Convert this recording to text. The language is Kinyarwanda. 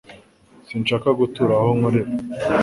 Sinshaka gutura aho nkorera